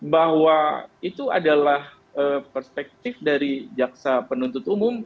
bahwa itu adalah perspektif dari jaksa penuntut umum